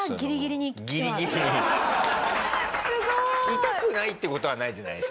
痛くないって事はないじゃないですか。